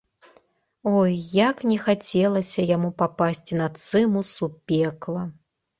Ой, як не хацелася яму папасці на цымус у пекла!